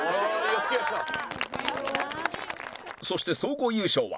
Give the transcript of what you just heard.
そして総合優勝は